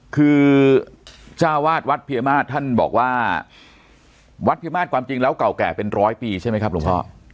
ก็ท่านบอกว่าวัดเพมาศความจริงแล้วก่าวแก่เป็นร้อยปีใช่ไหมครับลุงพ่อ